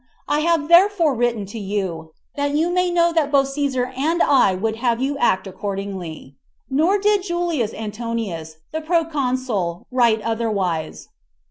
I have therefore written to you, that you may know that both Cæsar and I would have you act accordingly." 7. Nor did Julius Antonius, the proconsul, write otherwise.